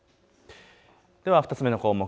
では２つ目の項目。